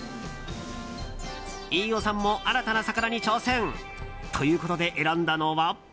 飯尾さんも新たな魚に挑戦！ということで、選んだのは。